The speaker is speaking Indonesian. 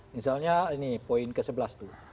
misalnya ini poin ke sebelas tuh